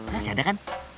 masih ada kan